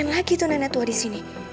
ngapain lagi itu nenek tua disini